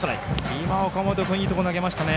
今、岡本君いいところに投げましたね。